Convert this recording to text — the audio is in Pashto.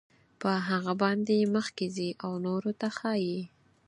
په هغه باندې مخکې ځي او نورو ته ښایي.